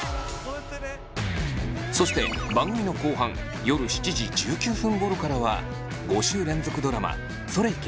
そして番組の後半夜７時１９分ごろからは５週連続ドラマ「それゆけ！